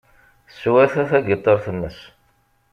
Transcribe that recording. Teswata tagiṭart-nnes.